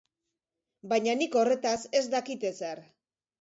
Baina nik horretaz ez dakit ezer.